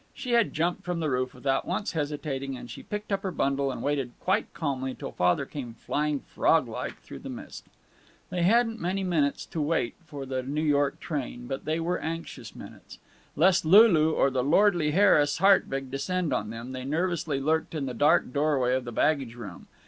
She had jumped from the roof without once hesitating, and she picked up her bundle and waited quite calmly till Father came flying frog like through the mist. They hadn't many minutes to wait for the New York train, but they were anxious minutes. Lest Lulu or the lordly Harris Hartwig descend on them, they nervously lurked in the dark doorway of the baggage room.